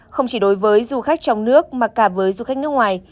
không chỉ đối với du khách trong nước mà cả với du khách nước ngoài